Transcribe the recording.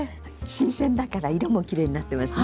新鮮だから色もきれいになってますね。